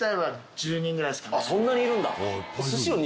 そんなにいるんだ。